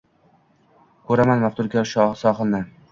Ko’raman maftunkor sohilni